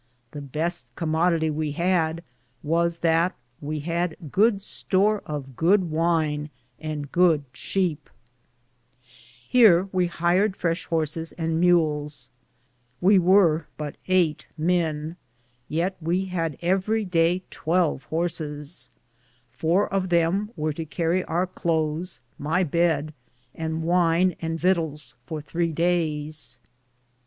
The beste como ditie we had was that we had good store of good wyne and good cheape (sheep). Heare we hired freshe horsis and mayles (mules). We weare but 8 men, yeat we had everie daye 12 horsis Four of them weare to carrie our clothes, my beed, and wyne and vitell for 3 dayes.